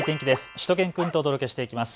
しゅと犬くんとお届けしていきます。